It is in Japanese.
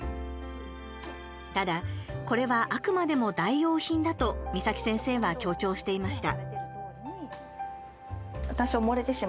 ただ、これはあくまでも代用品だと岬先生は強調していました。